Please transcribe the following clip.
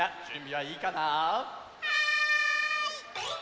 はい！